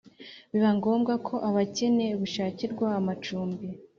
Biba ngombwa ko abakene bushakirwa amacumbi